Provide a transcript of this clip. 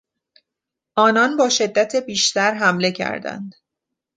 آنان با شدت بیشتر حمله کردند.